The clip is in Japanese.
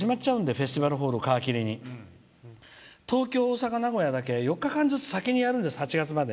フェスティバルホールを皮切りに東京、大阪、名古屋だけ先にやるんです。